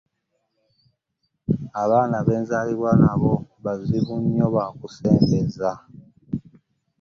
Abaana be nzaalibwa nabo bazibu nnyo ba kusembeza.